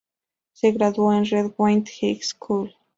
Se graduó en Red Wing High School.